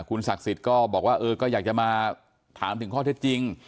คุณศักดิ์สิทธิ์ก็บอกว่าเออก็อยากจะมาถามถึงข้อเท็จจริง